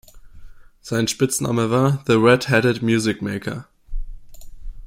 Sein Spitzname war „"The red-headed music maker"“.